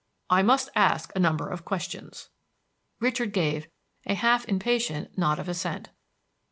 I must ask a number of questions." Richard gave a half impatient nod of assent.